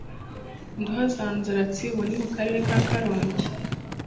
Ndoha za Nzaratsi ubu ni mu Karere ka Karongi